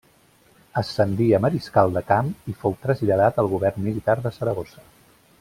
Ascendí a mariscal de camp i fou traslladat al govern militar de Saragossa.